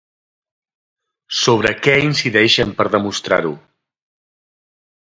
Sobre què incideixen per demostrar-ho?